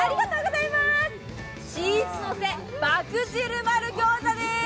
チーズのせ爆汁丸餃子です、